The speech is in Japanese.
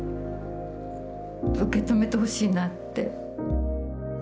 受け止めてほしいなって。